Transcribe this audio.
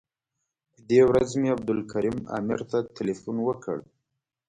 په دې ورځ مې عبدالکریم عامر ته تیلفون وکړ.